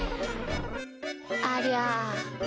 ありゃ。